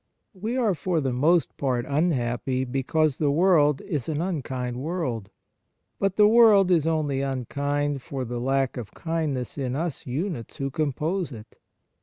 We are for the most part unhappy because the world is an unkind world ; but the world is only unkind for the lack of kindness in us units who compose it.